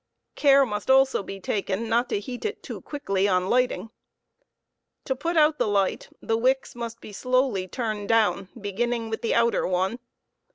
Care must also be taken not to heat it too quickly on lighting. To put out the light, the wicks must be slowly turned down, beginning with the outer one.